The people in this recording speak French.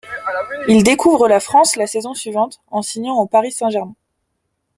Il découvre la France la saison suivante, en signant au Paris Saint-Germain.